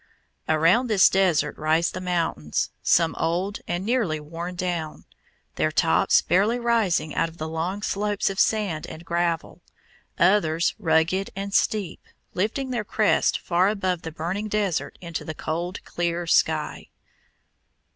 Around this desert rise the mountains, some old and nearly worn down, their tops barely rising out of the long slopes of sand and gravel; others rugged and steep, lifting their crests far above the burning desert into the cold, clear sky.